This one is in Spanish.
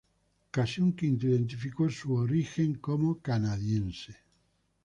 Casi un quinto identificó su etnicidad como "canadiense".